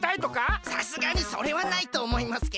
さすがにそれはないとおもいますけど。